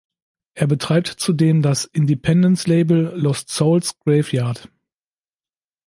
Er betreibt zudem das Independent-Label Lost Souls Graveyard.